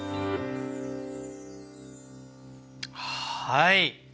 はい。